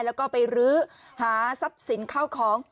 แล้วก็ไปรื้อหาทรัพย์สินเข้าของ